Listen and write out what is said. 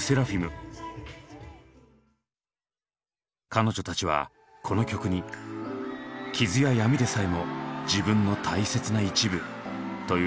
彼女たちはこの曲に「傷や闇でさえも自分の大切な一部」というメッセージを込めた。